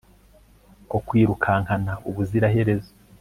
Ko wirukankana ubuziraherezo